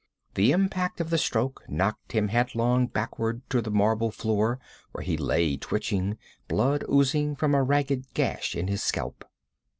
The impact of the stroke knocked him headlong backward to the marble floor, where he lay twitching, blood oozing from a ragged gash in his scalp.